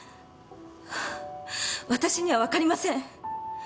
私には分かりません。